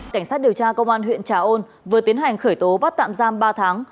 cảnh sát điều tra công an huyện trà ôn vừa tiến hành khởi tố bắt tạm giam ba tháng